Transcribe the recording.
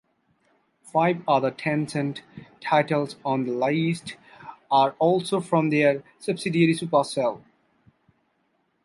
Five other Tencent titles on the list are also from their subsidiary Supercell.